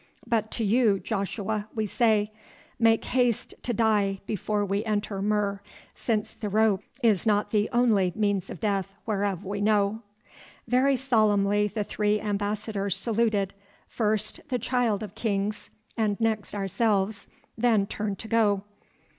But to you, Joshua, we say: Make haste to die before we enter Mur, since the rope is not the only means of death whereof we know." Very solemnly the three ambassadors saluted, first the Child of Kings and next ourselves, then turned to go.